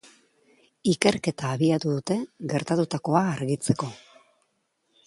Ikerketa abiatu dute, gertatutakoa argitzeko.